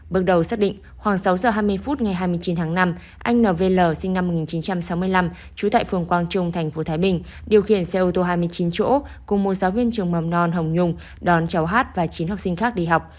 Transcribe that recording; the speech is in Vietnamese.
bước đầu xác định khoảng sáu giờ hai mươi phút ngày hai mươi chín tháng năm anh nv sinh năm một nghìn chín trăm sáu mươi năm trú tại phường quang trung tp thái bình điều khiển xe ô tô hai mươi chín chỗ cùng một giáo viên trường mầm non hồng nhung đón cháu hát và chín học sinh khác đi học